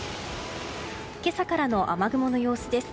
今朝からの雨雲の様子です。